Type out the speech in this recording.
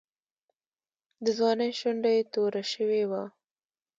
د ځوانۍ شونډه یې توره شوې وه.